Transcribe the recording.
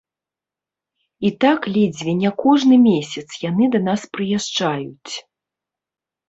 І так ледзьве не кожны месяц яны да нас прыязджаюць.